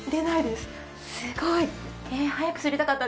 すごい！